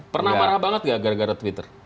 pernah marah banget gak gara gara twitter